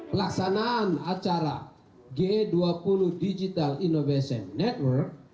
pelaksanaan acara g dua puluh digital innovation network